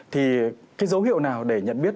thì cái dấu hiệu nào để nhận biết